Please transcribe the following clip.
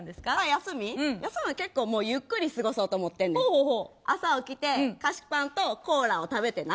休みは結構ゆっくり過ごそうと思って朝起きて菓子パンとコーラを食べてな